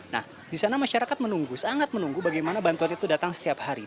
nah di sana masyarakat menunggu sangat menunggu bagaimana bantuan itu datang setiap hari